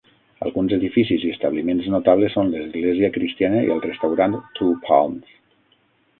Alguns edificis i establiments notables són l'església cristiana i el restaurant Two Palms.